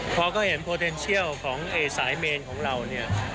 พอก็เห็นโปรเดนเชียลของสายเมนของเราเนี่ย